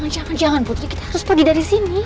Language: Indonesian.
jangan jangan putri kita harus pudi dari sini